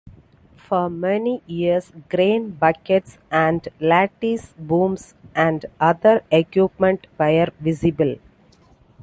For many years crane buckets and lattice booms and other equipment were visible.